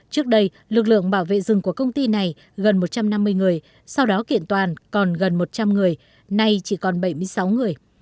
trước đây lực lượng bảo vệ rừng của công ty này gần một trăm năm mươi người sau đó kiện toàn còn gần một trăm linh người nay chỉ còn bảy mươi sáu người